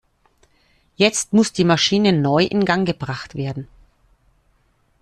Jetzt muss die Maschine neu in Gang gebracht werden.